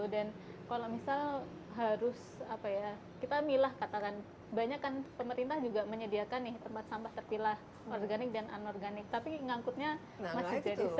kalau misal harus apa ya kita milah katakan banyak kan pemerintah juga menyediakan nih tempat sampah terpilah organik dan anorganik tapi ngangkutnya masih jadi